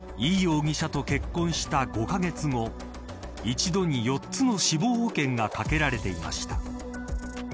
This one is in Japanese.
亡くなったユンさんにはイ容疑者と結婚した５カ月後一度に４つの死亡保険が掛けられていました。